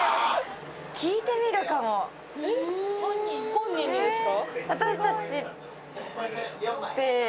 本人にですか？